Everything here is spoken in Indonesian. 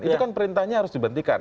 itu kan perintahnya harus dibentikan